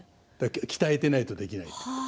鍛えていないとできない。